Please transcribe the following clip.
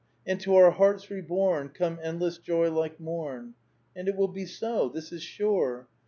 And to onr hearts reborn, Come endless joy like mom! And it will be so I This is sure.